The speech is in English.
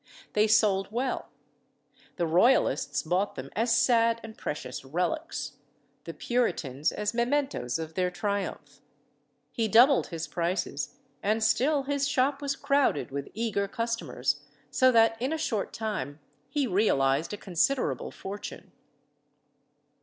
They sold well; the Royalists bought them as sad and precious relics; the Puritans as mementos of their triumph. He doubled his prices, and still his shop was crowded with eager customers, so that in a short time he realised a considerable fortune.